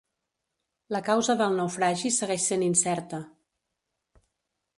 La causa del naufragi segueix sent incerta.